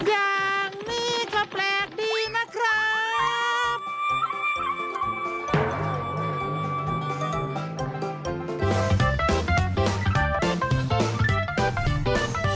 อย่างนี้ก็แปลกดีนะครับ